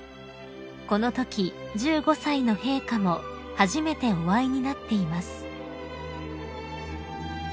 ［このとき１５歳の陛下も初めてお会いになっています］